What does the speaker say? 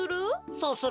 そうする？